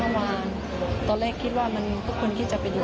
อีกมากมากตอนแรกคิดว่ามันก็คิดจะไปดู๒๐๑๕